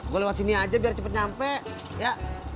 gue lewat sini aja biar cepet nyampe ya